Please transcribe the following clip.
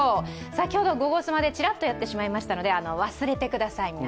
先ほど「ゴゴスマ」でちらっとやってしまったので、皆さん、忘れてください。